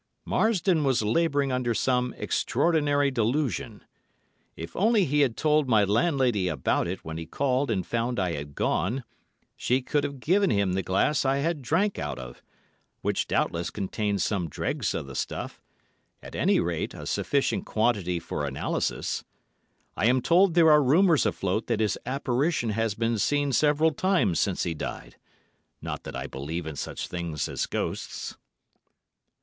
Marsdon was labouring under some extraordinary delusion. If only he had told my landlady about it when he called and found I had gone, she could have given him the glass I had drank out of, which doubtless contained some dregs of the stuff—at any rate, a sufficient quantity for analysis. I am told there are rumours afloat that his apparition has been seen several times since he died; not that I believe in such things as ghosts.